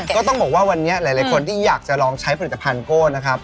ก็ต้องบอกว่าวันนี้หลายคนที่อยากจะลองใช้ผลิตภัณฑ์โก้นะครับ